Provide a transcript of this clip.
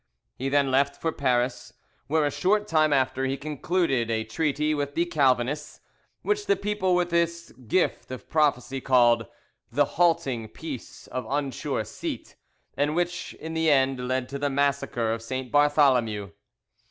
He then left for Paris, where a short time after he concluded a treaty with the Calvinists, which the people with its gift of prophecy called "The halting peace of unsure seat," and which in the end led to the massacre of St. Bartholomew.